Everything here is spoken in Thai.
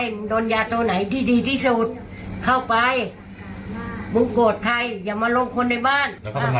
มึงโดนยาตัวไหนที่ดีที่สุดเข้าไปมึงโกรธใครอย่ามาลงคนในบ้าน